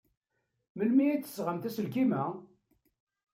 Melmi ay d-tesɣamt aselkim-a?